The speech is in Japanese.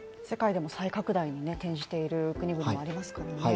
世界でも再拡大に転じている国々もありますもんね。